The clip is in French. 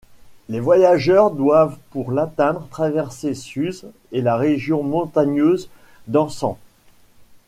Les voyageurs doivent pour l'atteindre traverser Suse et la région montagneuse d'Anshan.